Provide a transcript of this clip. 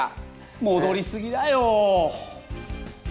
もどりすぎだよ。